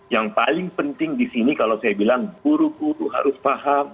yang paling penting di sini kalau saya bilang guru guru harus paham